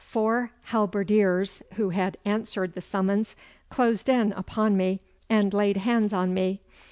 Four halberdiers who had answered the summons closed in upon me and laid hands on me.